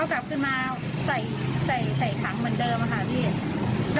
กลับขึ้นมาใส่ถังเหมือนเดิมค่ะพี่